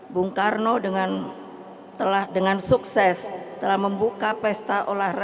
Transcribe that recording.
bung karno dengan sukses telah membuka pesta olahraga